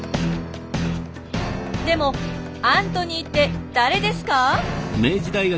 でもアントニーって誰ですか？